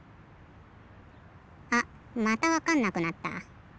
あっまたわかんなくなった。